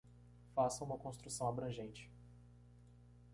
Faça uma construção abrangente